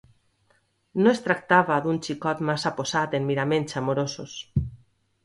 No es tractava d’un xicot massa posat en miraments amorosos...